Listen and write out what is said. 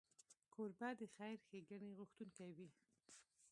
کوربه د خیر ښیګڼې غوښتونکی وي.